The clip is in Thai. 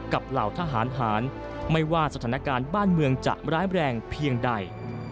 เหล่าทหารหารไม่ว่าสถานการณ์บ้านเมืองจะร้ายแรงเพียงใด